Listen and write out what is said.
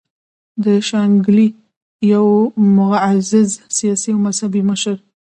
د شانګلې يو معزز سياسي او مذهبي مشر